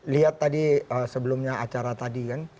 lihat tadi sebelumnya acara tadi kan